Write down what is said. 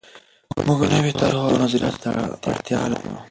موږ نویو طرحو او نظریاتو ته اړتیا لرو.